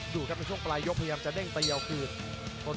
ดูครับในช่วงปลายยกพยายามจะเด้งตีเอาคืน